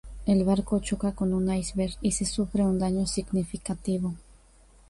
El barco choca con un iceberg y se sufre un daño significativo.